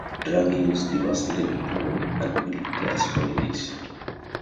Drug use devastated poor and middle-class families.